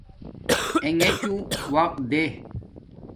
انݣچو وقت دیں